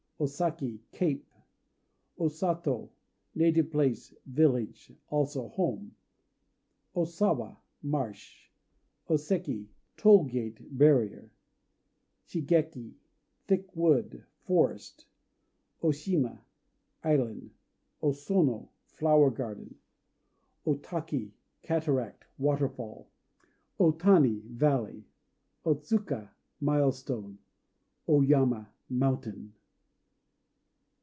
O Saki "Cape." O Sato "Native Place," village, also, home. O Sawa "Marsh." O Seki "Toll Gate," barrier. Shigéki "Thickwood," forest. O Shima "Island." O Sono "Flower garden." O Taki "Cataract," or Waterfall. O Tani "Valley." O Tsuka "Milestone." O Yama "Mountain."